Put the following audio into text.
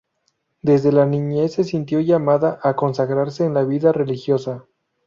Desde la niñez se sintió llamada a consagrarse en la vida religiosa.